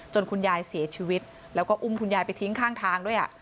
คุณยายเสียชีวิตแล้วก็อุ้มคุณยายไปทิ้งข้างทางด้วย